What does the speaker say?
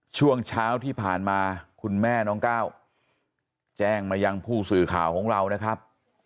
ช่วงเช้าที่ผ่านมาคุณแม่น้องก้าวแจ้งมายังผู้สื่อข่าวของเรานะครับ